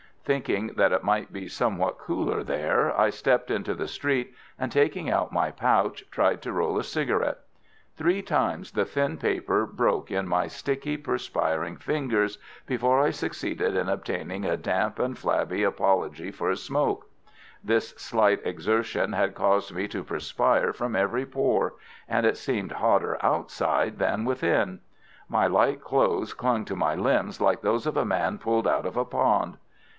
Thinking that it might be somewhat cooler there, I stepped into the street, and taking out my pouch, tried to roll a cigarette. Three times the thin paper broke in my sticky, perspiring fingers before I succeeded in obtaining a damp and flabby apology for a smoke. This slight exertion had caused me to perspire from every pore, and it seemed hotter outside than within. My light clothes clung to my limbs like those of a man pulled out of a pond.